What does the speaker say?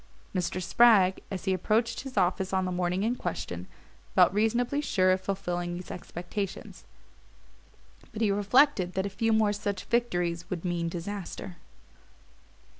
Mr. Spragg, as he approached his office on the morning in question, felt reasonably sure of fulfilling these expectations; but he reflected that a few more such victories would mean disaster.